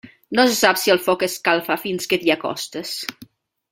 No se sap si el foc escalfa fins que t'hi acostes.